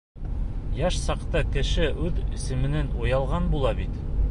Йәш саҡта кеше үҙ исеменән оялған була бит.